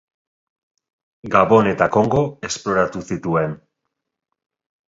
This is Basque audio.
Gabon eta Kongo esploratu zituen.